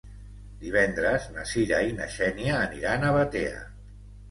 Divendres na Sira i na Xènia aniran a Batea.